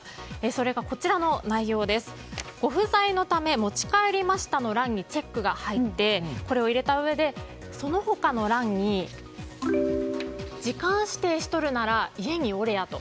それが、ご不在のため持ち帰りましたの欄にチェックが入ってこれを入れたうえでその他の欄に時間指定しとるなら家におれや。